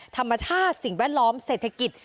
ธรรมชาติสิ่งแวดล้อมเศรษฐกิจ